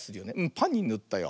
パンにぬったよ。